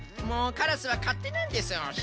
もうカラスはかってなんですよ。